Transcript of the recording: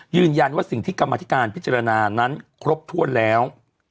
ยืนยันว่าสิ่งที่กรรมธิการพิจารณานั้นครบถ้วนแล้ว